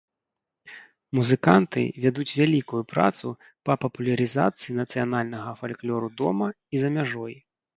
Музыканты вядуць вялікую працу па папулярызацыі нацыянальнага фальклору дома і за мяжой.